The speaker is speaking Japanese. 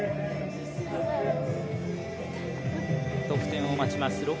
得点を待ちます